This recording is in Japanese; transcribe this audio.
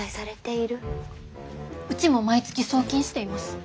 うちも毎月送金しています。